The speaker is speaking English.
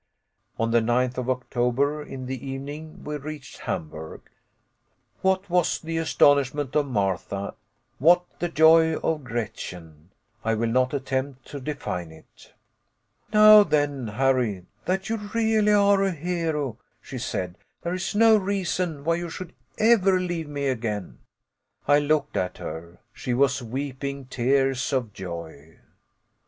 On the 9th of October, in the evening, we reached Hamburg. What was the astonishment of Martha, what the joy of Gretchen! I will not attempt to define it. "Now then, Harry, that you really are a hero," she said, "there is no reason why you should ever leave me again." I looked at her. She was weeping tears of joy.